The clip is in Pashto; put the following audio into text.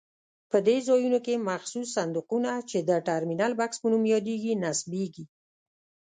په دې ځایونو کې مخصوص صندوقونه چې د ټرمینل بکس په نوم یادېږي نصبېږي.